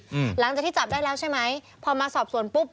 หลังจากที่จับได้แล้วใช่ไหมพอมาสอบสวนปุ๊บ